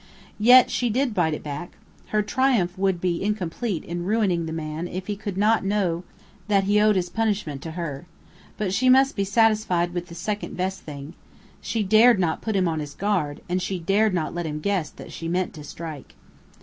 Yet she did bite it back. Her triumph would be incomplete in ruining the man if he could not know that he owed his punishment to her. But she must be satisfied with the second best thing. She dared not put him on his guard, and she dared not let him guess that she meant to strike.